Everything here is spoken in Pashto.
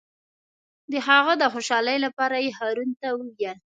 د هغه د خوشحالۍ لپاره یې هارون ته وویل.